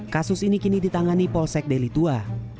kasus ini kini ditangani polsek deli tua